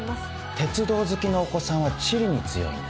鉄道好きのお子さんは地理に強いんです。